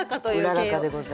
うららかでございます。